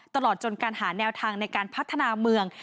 ตลอดจนการหาแนวทางในการพัฒนาเมือง